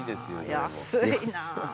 安いな。